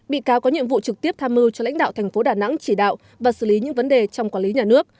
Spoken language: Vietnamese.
bị cáo có nhiệm vụ trực tiếp tham mưu cho lãnh đạo thành phố đà nẵng chỉ đạo và xử lý những vấn đề trong quản lý nhà nước